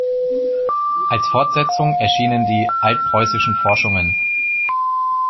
Als Fortsetzung erschienen die "Altpreußischen Forschungen".